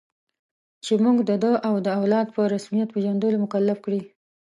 چې موږ د ده او اولاد په رسمیت پېژندلو مکلف کړي.